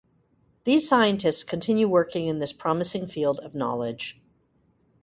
These scientists continue working in this promising field of knowledge.